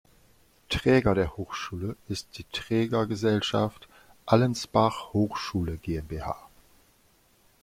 Träger der Hochschule ist die Trägergesellschaft "Allensbach Hochschule GmbH".